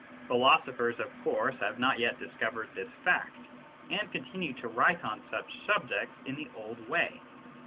Philo sophers, of course, have not yet discovered this fact, and continue to write on such subjects in the old way.